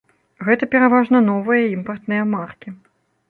Гэта пераважна новыя імпартныя маркі.